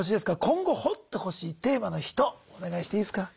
今後掘ってほしいテーマの人お願いしていいすか？